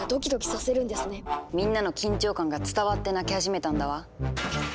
みんなの緊張感が伝わって鳴き始めたんだわ。